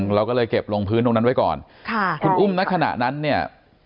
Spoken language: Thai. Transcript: เราก็เลยเก็บลงพื้นตรงนั้นไว้ก่อนค่ะคุณอุ้มในขณะนั้นเนี่ย